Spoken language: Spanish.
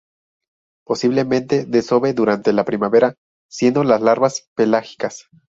Posiblemente desove durante la primavera, siendo las larvas pelágicas.